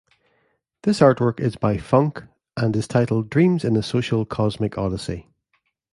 This artwork is by :phunk and is titled "Dreams in a Social Cosmic Odyssey".